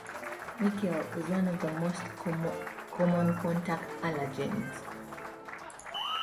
Nickel is one of the most common contact allergens.